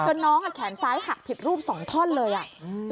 น้องอ่ะแขนซ้ายหักผิดรูปสองท่อนเลยอ่ะ